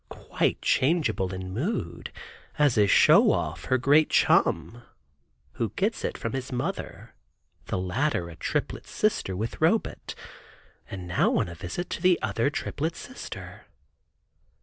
Quite changeable in mood, as is Show Off, her great chum, who gets it from his mother, the latter a triplet sister with Robet, and now on a visit to the other triplet sister.